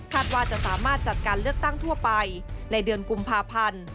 ว่าจะสามารถจัดการเลือกตั้งทั่วไปในเดือนกุมภาพันธ์